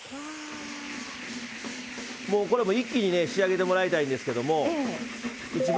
これも一気に仕上げてもらいたいんですけど一番